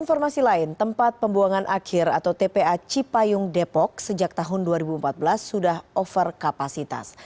informasi lain tempat pembuangan akhir atau tpa cipayung depok sejak tahun dua ribu empat belas sudah over kapasitas